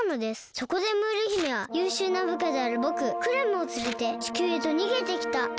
そこでムール姫はゆうしゅうな部下であるぼくクラムをつれて地球へとにげてきたというわけです。